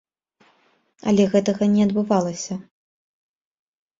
Але гэтага не адбывалася.